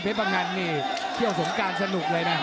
ไปกับตัวของเดี๋ยวสงการสนุกเลยแน่นอน